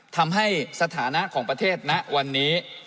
ทำให้สถานะของประเทศณวันนี้